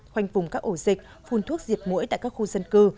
khoanh vùng các ổ dịch phun thuốc diệt mũi tại các khu dân cư